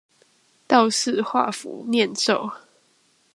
道士畫符唸咒